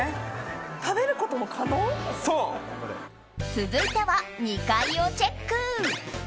続いては２階をチェック。